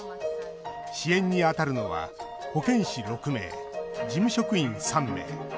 支援に当たるのは保健師６名、事務職員３名。